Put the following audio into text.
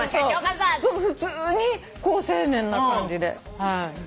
普通に好青年な感じではい。